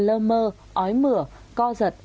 lơ mơ ói mửa co giật